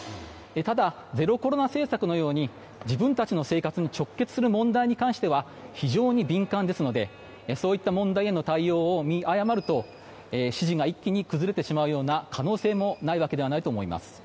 ただ、ゼロコロナ政策のように自分たちの生活に直結する問題に関しては非常に敏感ですのでそういった問題への対応を見誤ると支持が一気に崩れてしまうような可能性もないわけではないと思います。